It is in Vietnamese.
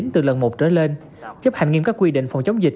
từ lần một trở lên chấp hành nghiêm các quy định phòng chống dịch